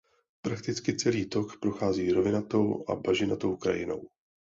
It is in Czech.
Prakticky celý tok prochází rovinatou a bažinatou krajinou.